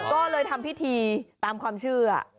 ก็เลยทำพิธีตามความเชื่อ